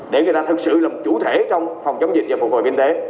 để người ta thực sự là một chủ thể trong phòng chống dịch và phục hồi kinh tế